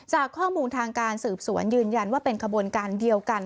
จากข้อมูลทางการสืบสวนยืนยันว่าเป็นขบวนการเดียวกัน